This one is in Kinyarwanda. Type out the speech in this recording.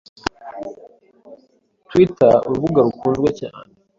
Twitter urubuga rukuzwe cyane